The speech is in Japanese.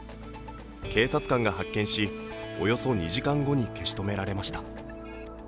警察官が発見し、およそ２時間後に消し止められました。